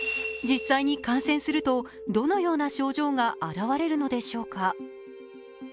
実際に感染すると、どのような症状が現れるのでしょうか。